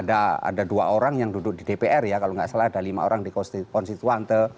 ada dua orang yang duduk di dpr ya kalau nggak salah ada lima orang di konstituante